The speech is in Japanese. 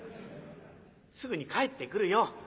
すぐに帰ってくるよ」。